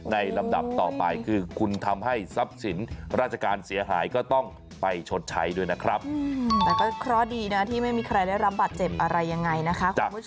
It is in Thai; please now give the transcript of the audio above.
ลำดับต่อไปคือคุณทำให้ทรัพย์สินราชการเสียหายก็ต้องไปชดใช้ด้วยนะครับแต่ก็เคราะห์ดีนะที่ไม่มีใครได้รับบาดเจ็บอะไรยังไงนะคะคุณผู้ชม